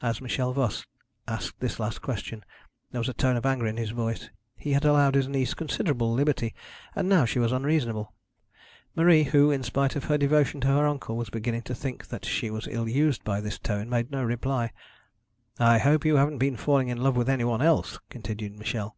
As Michel Voss asked this last question, there was a tone of anger in his voice. He had allowed his niece considerable liberty, and now she was unreasonable. Marie, who, in spite of her devotion to her uncle, was beginning to think that she was ill used by this tone, made no reply. 'I hope you haven't been falling in love with any one else,' continued Michel.